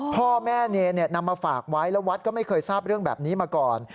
พ่อแม่เนรนำมาฝากไว้แล้ววัดก็ไม่เคยทราบเรื่องแบบนี้มาก่อน